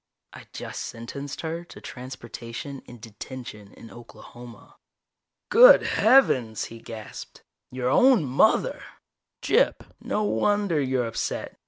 I just sentenced her to transportation and detention in Oklahoma." "Good heavens," he gasped. "Your own mother! Gyp, no wonder you're upset.